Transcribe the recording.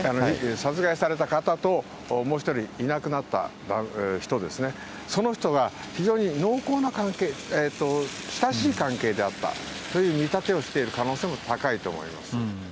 殺害された方と、もう一人、いなくなった人ですね、その人が非常に濃厚な関係、親しい関係であったという見立てをしている可能性も高いと思います。